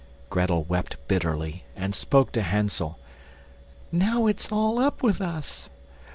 Grettel wept bitterly and spoke to Hansel: "Now it's all up with us."